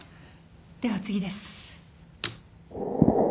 では次です。